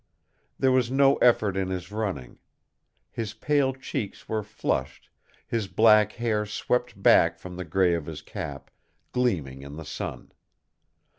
There was no effort in his running. His pale cheeks were flushed, his black hair swept back from the gray of his cap, gleaming in the sun.